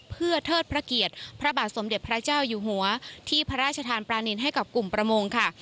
เพื่อเทิดพระเกียรติพระบาทสมเด็จพระเจ้าอยู่หัวที่พระราชทานปรานินให้กับกลุ่มประมงค่ะ